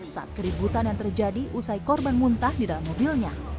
saat keributan yang terjadi usai korban muntah di dalam mobilnya